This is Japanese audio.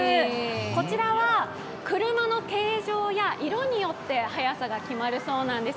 こちらは、車の形状や色によって速さが決まるそうなんです。